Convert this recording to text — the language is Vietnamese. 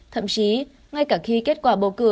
thậm chí ngay cả khi kết quả bầu cử